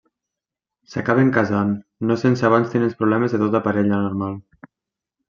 S'acaben casant no sense abans tenir els problemes de tota parella normal.